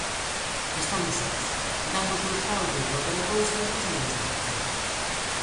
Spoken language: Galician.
Estamos sós, dannos uns paus ou calquera cousa e non sabemos que facer.